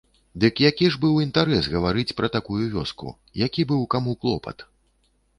Дык які ж быў інтарэс гаварыць пра такую вёску, які быў каму клопат?!